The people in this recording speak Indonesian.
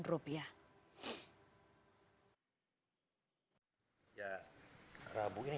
pemadaman listrik di jawa barat dan jawa tengah